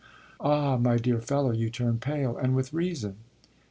Ah my dear fellow, you turn pale, and with reason!"